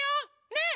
ねえ！